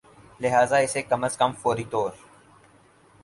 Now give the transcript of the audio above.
لہذا اسے کم از کم فوری طور